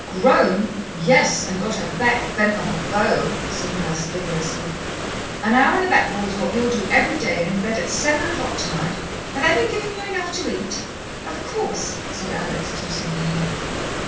"Grown! Yes, and got her back bent like a bow," said Nurse vigorously. "An hour on the backboard's what you'll do every day, and bed at seven o'clock tonight. Have they been giving you enough to eat?" "Of course," said Alex, tossing her head.